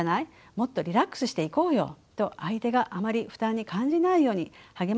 もっとリラックスしていこうよ」と相手があまり負担に感じないように励ましているようにも聞こえます。